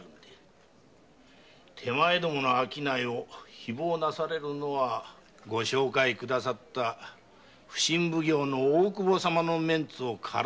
手前どもの商いを誹謗なされるのはご紹介くださった普請奉行・大久保様のメンツを軽んずることになりますぞ。